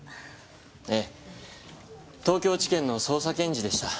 ええ東京地検の捜査検事でした。